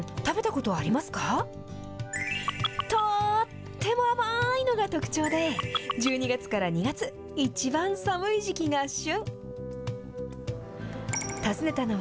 とーっても甘いのが特徴で、１２月から２月、一番寒い時期が旬。